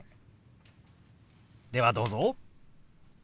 ではどうぞ。